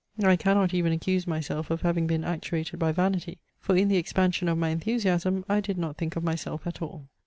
I cannot even accuse myself of having been actuated by vanity; for in the expansion of my enthusiasm I did not think of myself at all.